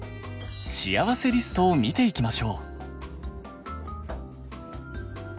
しあわせリストを見ていきましょう。